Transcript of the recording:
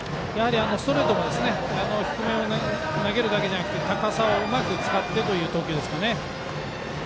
ストレート低めに投げるだけじゃなくて高さをうまく使ってという投球ですかね。